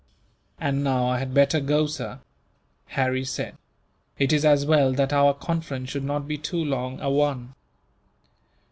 "And now I had better go, sir," Harry said. "It is as well that our conference should not be too long a one."